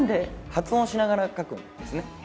発音しながら書くんですね。